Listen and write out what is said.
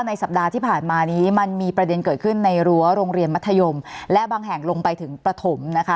ในสัปดาห์ที่ผ่านมานี้มันมีประเด็นเกิดขึ้นในรั้วโรงเรียนมัธยมและบางแห่งลงไปถึงประถมนะคะ